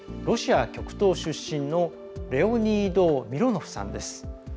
ロシア極東出身のレオニード・ミロノフさんです。